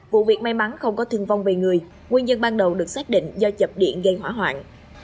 vụ việc may mắn không có thương vong về người nguyên nhân ban đầu được xác định do chập điện gây hỏa hoạn